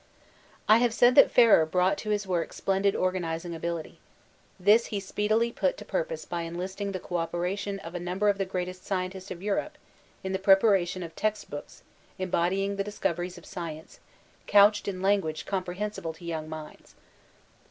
I have said that Ferrer brought to his work splendid organizing ability. This he speedily put to purpose by enlisting the co operation of a number of the greatest scientists of Europe in the preparation of text books em bodying the discoveries of science, couched in language comprehensible to young minds.